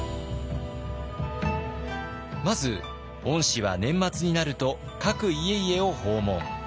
まず御師は年末になると各家々を訪問。